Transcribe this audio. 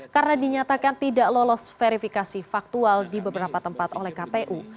karena dinyatakan tidak lolos verifikasi faktual di beberapa tempat oleh kpu